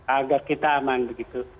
agar kita aman begitu